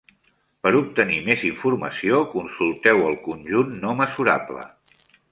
Per obtenir més informació, consulteu el conjunt no mesurable.